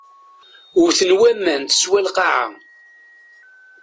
Wten waman teswa lqaɛa.